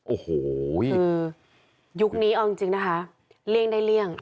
โอ้โหคือยุคนี้เอาจริงนะคะเลี่ยงได้เลี่ยง